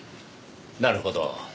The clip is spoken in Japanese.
なるほど。